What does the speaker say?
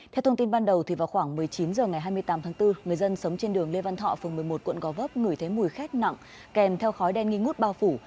theo thông tin ban đầu vào khoảng một mươi chín h ngày hai mươi tám tháng bốn người dân sống trên đường lê văn thọ phường một mươi một quận gò vấp ngửi thấy mùi khét nặng kèm theo khói đen nghi ngút bao phủ